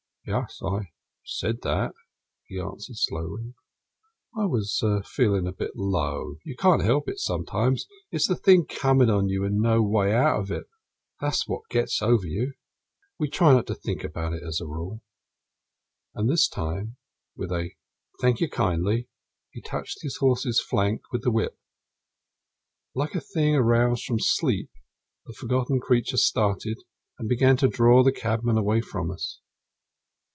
"Yes, I said that," he answered slowly; "I was feelin' a bit low. You can't help it sometimes; it's the thing comin' on you, and no way out of it that's what gets over you. We try not to think about it, as a rule." And this time, with a "Thank you, kindly!" he touched his horse's flank with the whip. Like a thing aroused from sleep the forgotten creature started and began to draw the cabman away from us.